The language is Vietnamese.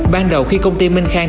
ban đầu khi công ty minh khang